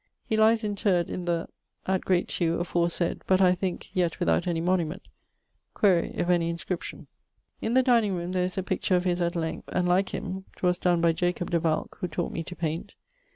He lies interred in the ... at Great Tue aforesaid, but, I thinke, yet without any monument; quaere if any inscription. In the dining roome there is a picture of his at length, and like him ('twas donne by Jacob de Valke, who taught me to paint).